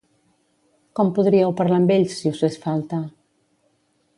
Com podríeu parlar amb ells, si us fes falta?